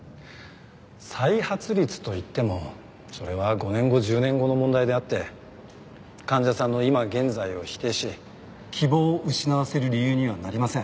再発率といってもそれは５年後１０年後の問題であって患者さんの今現在を否定し希望を失わせる理由にはなりません。